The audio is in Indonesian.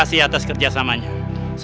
cepat biar langus